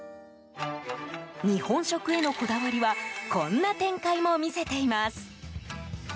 日本食へのこだわりはこんな展開も見せています。